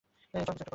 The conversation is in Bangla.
জন, কিছু একটা কর।